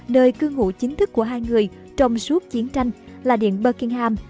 nơi cư ngụ chính thức của hai người trong suốt chiến tranh là điện buckingham